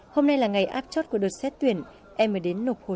hôm nay là ngày áp chốt của đợt xét tuyển em mới đến nộp hồ sơ